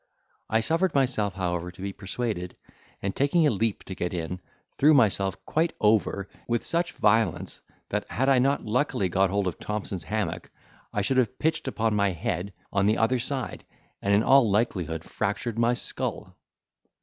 I suffered myself, however, to be persuaded, and taking a leap to get in, threw myself quite over, with such violence, that had I not luckily got hold of Thompson's hammock, I should have pitched upon my head on the other side, and in all likelihood fractured my skull.